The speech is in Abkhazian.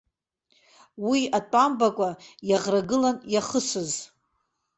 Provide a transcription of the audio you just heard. Уи атәамбакәа иаӷрагылан иахысыз.